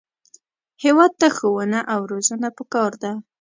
هېواد ته ښوونه او روزنه پکار ده